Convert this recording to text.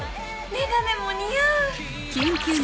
眼鏡も似合う！